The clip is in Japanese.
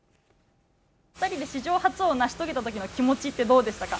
２人で史上初を成し遂げたときの気持ちってどうでしたか？